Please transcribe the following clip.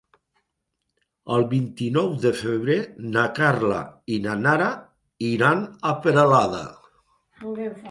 El vint-i-nou de febrer na Carla i na Nara iran a Peralada.